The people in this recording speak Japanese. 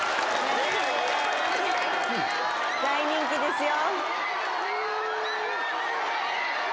大人気ですよ